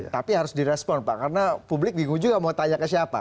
tapi harus direspon pak karena publik bingung juga mau tanya ke siapa